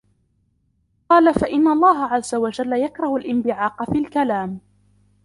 قَالَ فَإِنَّ اللَّهَ عَزَّ وَجَلَّ يَكْرَهُ الِانْبِعَاقَ فِي الْكَلَامِ